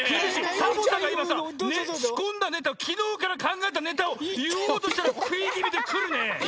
サボさんがいまさしこんだネタをきのうからかんがえたネタをいおうとしたらくいぎみでくるね。